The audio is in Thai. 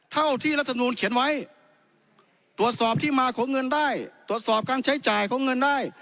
เท่าที่รัฐมนูลเขียนไว้ตรวจสอบที่มาของเงินได้ตรวจสอบการใช้จ่ายของเงินได้